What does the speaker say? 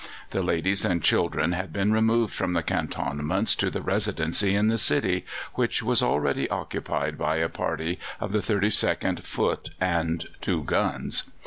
The ladies and children had been removed from the cantonments to the Residency in the city, which was already occupied by a party of the 32nd foot and two guns.